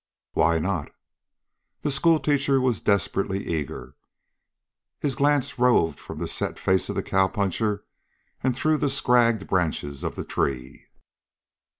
"Why not?" The schoolteacher was desperately eager. His glance roved from the set face of the cowpuncher and through the scragged branches of the tree.